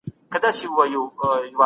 قران کریم موږ ته د حلال رزق لارښوونه کوي.